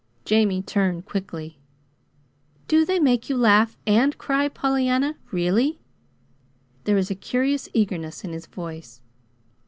Jamie turned quickly. "DO they make you laugh and cry, Pollyanna really?" There was a curious eagerness in his voice.